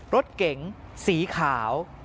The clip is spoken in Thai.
รถเก๋งสีขาว